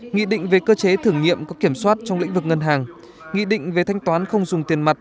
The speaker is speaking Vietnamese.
nghị định về cơ chế thử nghiệm có kiểm soát trong lĩnh vực ngân hàng nghị định về thanh toán không dùng tiền mặt